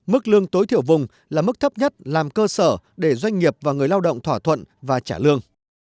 mức lương tối thiểu vùng là mức thấp nhất làm cơ sở để doanh nghiệp và người lao động thỏa thuận và trả lương